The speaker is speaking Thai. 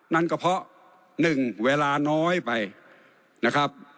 นั่นก็เพราะ๑เวลาน้อยไปนะครับ